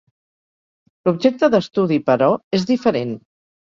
L'objecte d'estudi, però, és diferent.